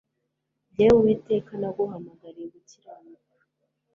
jyewe uwiteka naguhamagariye gukiranuka